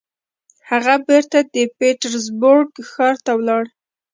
هغه بېرته د پيټرزبورګ ښار ته ولاړ.